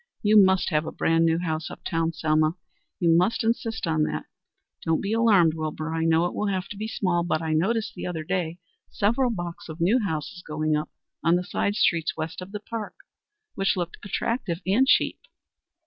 You must have a brand new house uptown, Selma. You must insist on that. Don't be alarmed, Wilbur. I know it will have to be small, but I noticed the other day several blocks of new houses going up on the side streets west of the Park, which looked attractive and cheap."